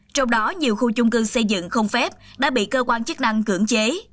trong đó nhiều khu chung cư xây dựng không phép đã bị cơ quan chức năng cưỡng chế